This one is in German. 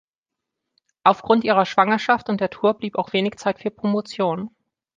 Aufgrund ihrer Schwangerschaft und der Tour blieb auch wenig Zeit für Promotion.